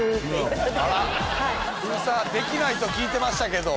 封鎖できないと聞いてましたけど。